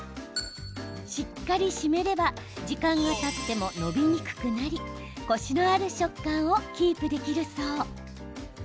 しっかりしめれば時間がたっても、のびにくくなりコシのある食感をキープできるそう。